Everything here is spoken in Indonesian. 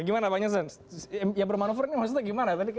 gimana pak jansen yang bermanuver ini maksudnya gimana tadi